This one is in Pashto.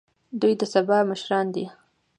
دوی د سبا مشران دي